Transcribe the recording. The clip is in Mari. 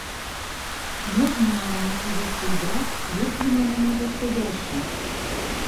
— Можно, манам, эти весы убрать, если, манам, не подходящи.